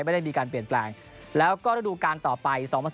ไม่ได้มีการเปลี่ยนแปลงแล้วก็ระดูการต่อไป๒๐๑๙